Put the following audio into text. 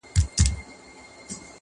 لا په اورونو کي تازه پاته ده؛